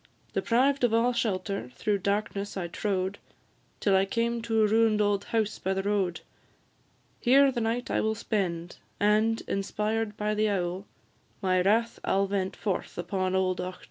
Deprived of all shelter, through darkness I trode, Till I came to a ruin'd old house by the road; Here the night I will spend, and, inspired by the owl, My wrath I 'll vent forth upon old Auchtertool.